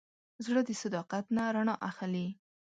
زړه د صداقت نه رڼا اخلي.